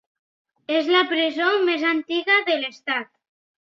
És la presó més antiga de l'estat.